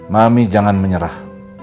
mami jangan menyerah